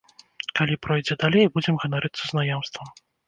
Калі пройдзе далей, будзем ганарыцца знаёмствам.